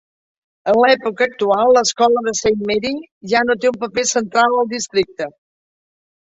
En l'època actual, l'escola de Saint Mary ja no té un paper central al districte.